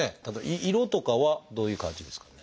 色とかはどういう感じですかね？